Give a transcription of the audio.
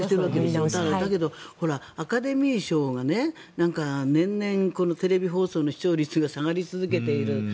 でも、アカデミー賞がなんか、年々テレビ放送の視聴率が下がり続けている。